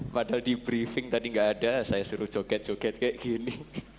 padahal di briefing tadi nggak ada saya suruh joget joget kayak gini